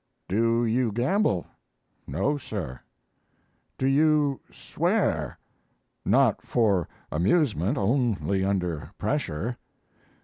"Do you gamble?" "No, Sir." "Do you swear?" "Not for amusement; only under pressure."